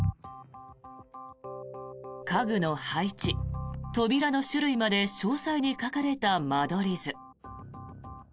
家具の配置、扉の種類まで詳細に書かれた間取り図。